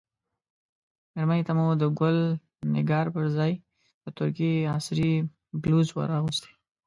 مېرمنې ته مو د ګل نګار پر ځای د ترکیې عصري بلوز ور اغوستی.